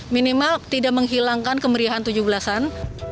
minimal tidak menghilangkan kemeriahan tujuh belasan